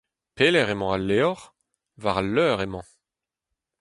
Pelec'h emañ al levr ? War al leur emañ.